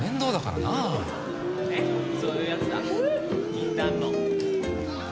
禁断の。